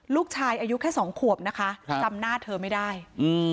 ลูกชายอายุแค่สองขวบนะคะครับจำหน้าเธอไม่ได้อืม